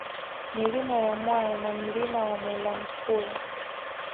Milima ya Mwaya na Mlima wa Mwelamfula